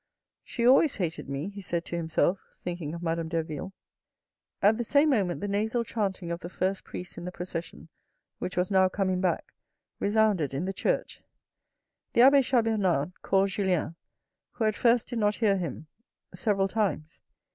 " She always hated me," he said to himself, thinking of Madame Derville. At the same moment the nasal chanting of the first priests in the procession which was now coming back resounded in the church. The abbe Chas Bernard called Julien, who at first did not hear him, several times.